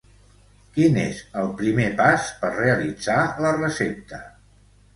Quin és el primer pas per realitzar la recepta?